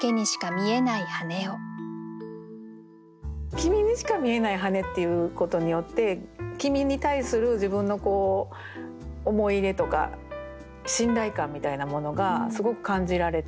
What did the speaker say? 「きみにしか見えない羽根」っていうことによって「きみ」に対する自分の思い入れとか信頼感みたいなものがすごく感じられて。